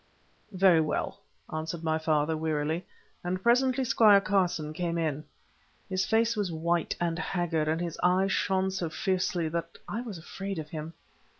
"Very well," answered my father, wearily, and presently Squire Carson came in. His face was white and haggard, and his eyes shone so fiercely that I was afraid of him.